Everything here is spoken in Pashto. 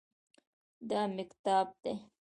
دا مېکتاب ده